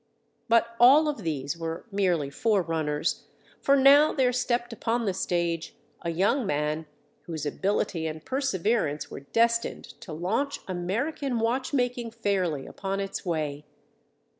But all of these were merely forerunners, for now there stepped upon the stage a young man whose ability and perseverance were destined to launch American watch making fairly upon its way.